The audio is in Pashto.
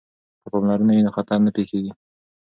که پاملرنه وي نو خطر نه پیښیږي.